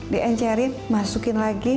diancarin masukin lagi